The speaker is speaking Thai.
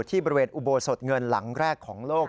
ที่บริเวณอุโบสถเงินหลังแรกของโลก